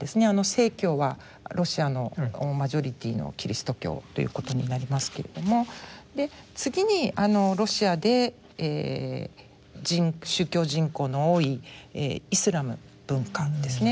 正教はロシアのマジョリティーのキリスト教ということになりますけれども次にロシアで宗教人口の多いイスラム文化ですね。